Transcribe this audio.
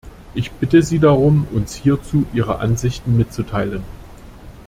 Ich bitte Sie darum, uns hierzu Ihre Ansichten mitzuteilen.